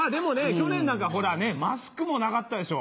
去年なんかマスクもなかったでしょ。